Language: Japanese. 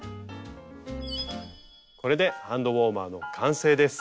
これでハンドウォーマーの完成です！